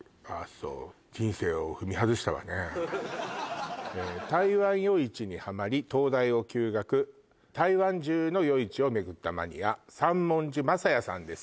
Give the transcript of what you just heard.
そう台湾夜市にハマり東大を休学台湾中の夜市を巡ったマニア三文字昌也さんです